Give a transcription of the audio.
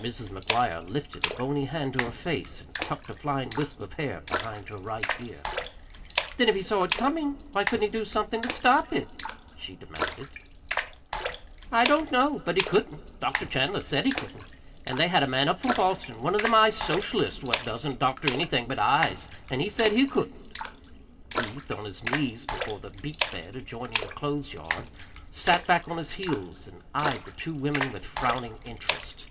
Mrs. McGuire lifted a bony hand to her face and tucked a flying wisp of hair behind her right ear. "Then if he saw it comin', why couldn't he do somethin' to stop it?" she demanded. [Illustration: SUSAN BETTS TALKING WITH MRS. MCGUIRE OVER THE BACKYARD FENCE] "I don't know. But he couldn't. Dr. Chandler said he couldn't. An' they had a man up from Boston one of them eye socialists what doesn't doctor anythin' but eyes an' he said he couldn't." Keith, on his knees before the beet bed adjoining the clothes yard, sat back on his heels and eyed the two women with frowning interest.